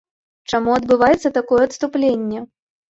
Чаму адбываецца такое адступленне?